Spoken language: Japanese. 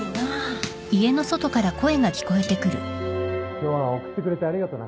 ・今日は送ってくれてありがとな。